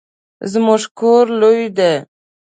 زموږ کور لوی دی